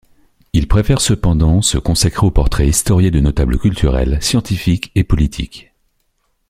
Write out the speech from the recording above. Il préfère cependant, se consacrer aux portraits historiés de notables culturels, scientifiques et politiques.